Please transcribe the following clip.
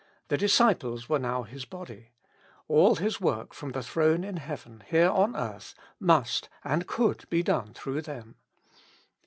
The disciples were now His body : all His work from the throne in heaven here on earth must and could be done through them.